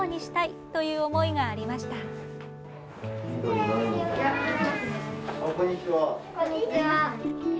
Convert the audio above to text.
こんにちは。